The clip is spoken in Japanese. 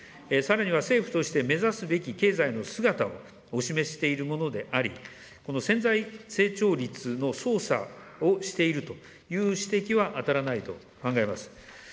さらには、政府として目指すべき経済の姿をお示ししているものであり、この潜在成長率の操作をしているという指摘はあたらないと考えます。